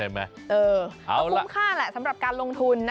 ใช่ไหมเออแล้วก็คุ้มค่าแหละสำหรับการลงทุนนะครับ